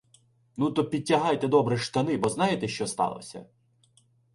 — Ну то підтягайте добре штани, бо знаєте, що сталося?